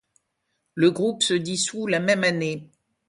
Le groupe se dissout la même année.